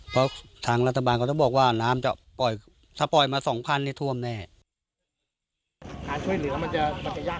เพราะทางรัฐบาลก็ต้องบอกว่าน้ำจะปล่อยถ้าปล่อยมาสองพันนี่ท่วมแน่